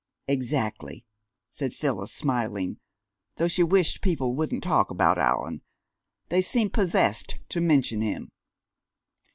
"Exactly," said Phyllis, smiling, though she wished people wouldn't talk about Allan! They seemed possessed to mention him!